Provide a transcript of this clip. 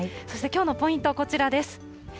そしてきょうのポイント、こちらです。